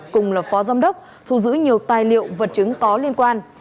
cùng là phó giám đốc thu giữ nhiều tài liệu vật chứng có liên quan